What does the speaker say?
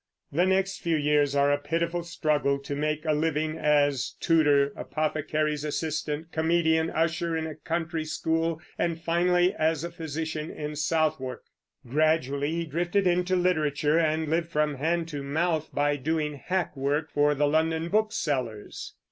The next few years are a pitiful struggle to make a living as tutor, apothecary's assistant, comedian, usher in a country school, and finally as a physician in Southwark. Gradually he drifted into literature, and lived from hand to mouth by doing hack work for the London booksellers.